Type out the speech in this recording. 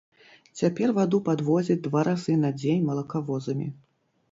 Цяпер ваду падвозяць два разы на дзень малакавозамі.